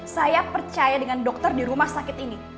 saya percaya dengan dokter di rumah sakit ini